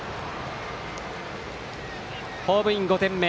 ホームインして５点目。